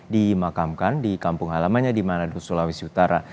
dimakamkan di kampung halamannya di manado sulawesi utara